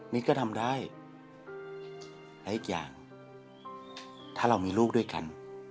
นี่ก็ทำได้และอีกอย่างถ้าเรามีลูกด้วยกัน